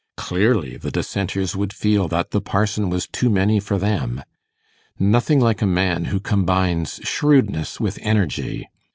Clearly, the Dissenters would feel that 'the parson' was too many for them. Nothing like a man who combines shrewdness with energy.